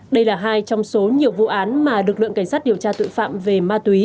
đây là hai trong số nhiều vụ án mà lực lượng cảnh sát điều tra tội phạm về ma túy